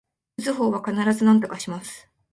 打つ方は必ずなんとかします